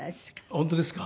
本当ですか？